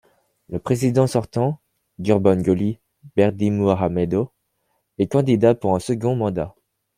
Le président sortant, Gurbanguly Berdimuhamedow, est candidat pour un second mandat.